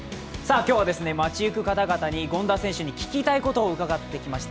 今日は街ゆく方々に権田選手に聞きたいことを伺いました。